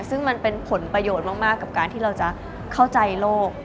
ซึ่งมันเป็นผลประโยชน์มากกับการที่เราจะเข้าใจโลก